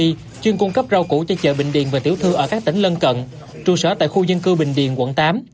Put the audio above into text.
công an tp hcm đã bắt khẩn cấp rau củ cho chợ bình điền và tiểu thư ở các tỉnh lân cận trung sở tại khu dân cư bình điền quận tám